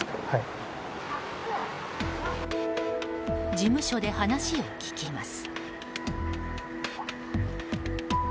事務所で話を聞きます。